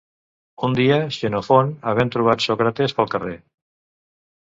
Un dia, Xenofont havent trobat Sòcrates pel carrer